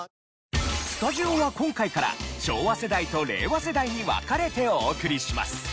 スタジオは今回から昭和世代と令和世代に分かれてお送りします。